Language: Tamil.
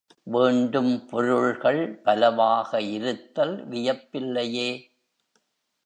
வேண்டும் பொருள்கள் பலவாக இருத்தல் வியப்பில்லையே.